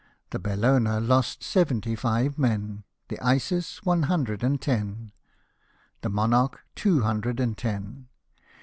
The Bellova lost seventy five men ; the Isis, one himdred and ten; the Monarch, two hun dred and ten.